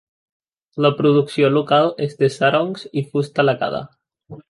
La producció local és de sarongs i fusta lacada.